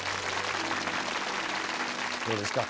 どうですか？